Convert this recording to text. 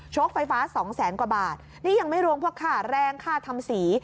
ไฟฟ้าสองแสนกว่าบาทนี่ยังไม่รวมพวกค่าแรงค่าทำสี